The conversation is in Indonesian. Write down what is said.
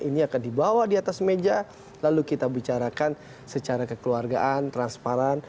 ini akan dibawa di atas meja lalu kita bicarakan secara kekeluargaan transparan